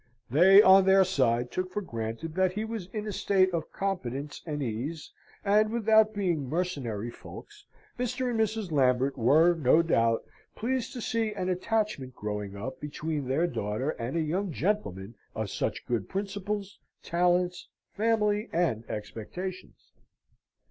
They, on their side, took for granted that he was in a state of competence and ease, and, without being mercenary folks, Mr. and Mrs. Lambert were no doubt pleased to see an attachment growing up between their daughter and a young gentleman of such good principles, talents, family, and expectations.